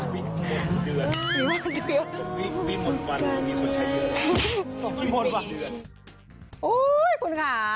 วีมนวันมีคนใช้ด้วย